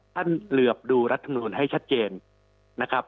เหลือบดูรัฐมนุนให้ชัดเจนนะครับ